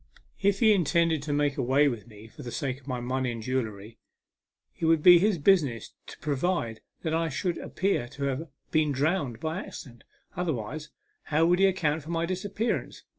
If lie in 84 A MEMORABLE SWIM. tended to make away with me for the sake of my money and jewellery, it would be his busi ness to provide that I should appear to have been drowned by accident. Otherwise, how would he account for my disappearance